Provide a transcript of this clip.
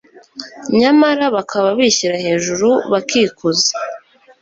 nyamara bakaba bishyira hejuru bakikuza